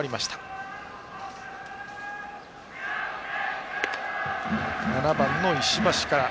バッターは７番の石橋から。